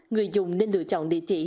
người dùng nên lựa chọn địa chỉ